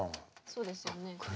そうですよね車。